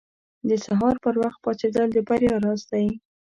• د سهار پر وخت پاڅېدل د بریا راز دی.